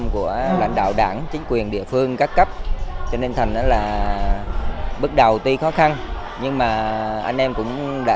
có diện tích tự nhiên